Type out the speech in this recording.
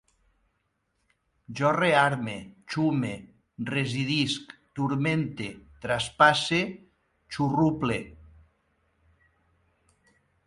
Jo rearme, xume, residisc, turmente, traspasse, xurruple